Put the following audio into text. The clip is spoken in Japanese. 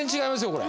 これ。